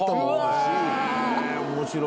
面白い。